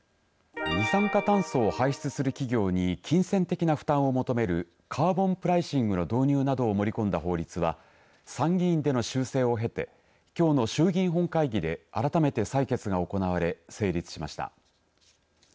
二酸化炭素を排出する企業に金銭的な負担を求めるカーボンプライシングの導入などを盛り込んだ法律は参議院での修正を経てきょうの衆議院本会議で改めて採決が行われ成立しました。